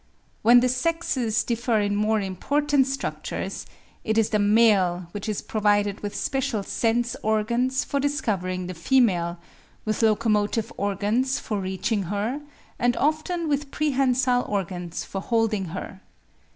When the sexes differ in more important structures, it is the male which is provided with special sense organs for discovering the female, with locomotive organs for reaching her, and often with prehensile organs for holding her.